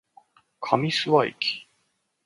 上諏訪駅